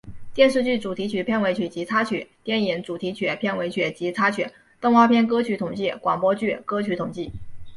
电视剧主题曲片尾曲及插曲电影主题曲片尾曲及插曲动画片歌曲统计广播剧歌曲统计